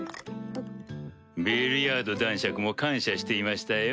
ベルヤード男爵も感謝していましたよ。